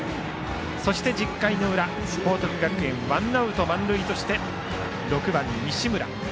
そして１０回の裏報徳学園、ワンアウト満塁として６番、西村。